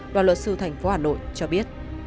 đoàn luật sư thành phố hà nội cho biết